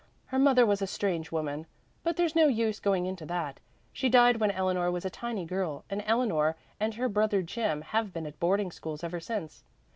Her mother was a strange woman but there's no use going into that. She died when Eleanor was a tiny girl, and Eleanor and her brother Jim have been at boarding schools ever since.